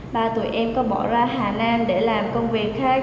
ba tụi em có bỏ ra hà nam để làm công việc khác